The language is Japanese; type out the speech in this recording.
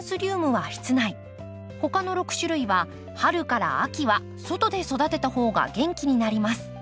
他の６種類は春から秋は外で育てた方が元気になります。